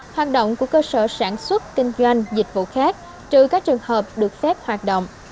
hoạt động của cơ sở sản xuất kinh doanh dịch vụ khác trừ các trường hợp được phép hoạt động